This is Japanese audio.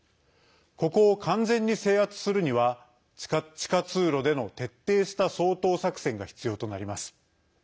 ここを完全に制圧するには地下通路での徹底した掃討作戦が必要となります。